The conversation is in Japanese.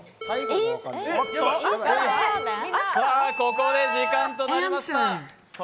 ここで時間となりました。